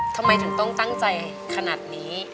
ทำไมถึงต้องตั้งใจขนาดนี้